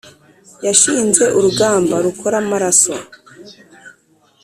Yanshinze urugamba rukora amaraso,